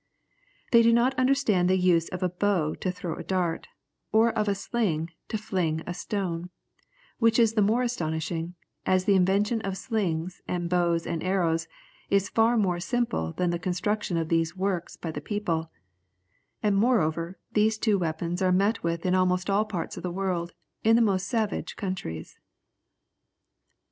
They do not understand the use of a bow to throw a dart, or of a sling to fling a stone, which is the more astonishing, as the invention of slings, and bows and arrows is far more simple than the construction of these works by the people, and moreover these two weapons are met with in almost all parts of the world, in the most savage countries."